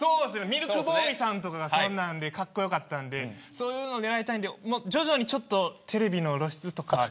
ミルクボーイさんとかがそんなんでかっこよかったのでそういうの狙いたいので徐々にテレビの露出とか。